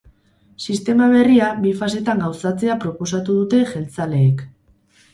Sistema berria bi fasetan gauzatzea proposatu dute jeltzaleek.